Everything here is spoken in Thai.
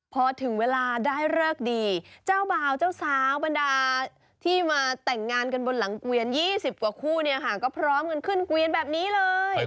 พอถึงเวลาได้เลิกดีเจ้าบ่าวเจ้าสาวบรรดาที่มาแต่งงานกันบนหลังเกวียน๒๐กว่าคู่เนี่ยค่ะก็พร้อมกันขึ้นเกวียนแบบนี้เลย